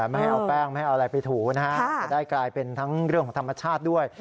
ไม่ให้เอาแป้งไม่ให้เอาอะไรไปถูนะฮะจะได้กลายเป็นทั้งเรื่องของธรรมชาติด้วย